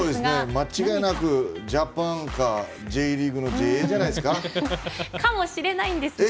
間違いなくジャパンかＪリーグのＪじゃないですか。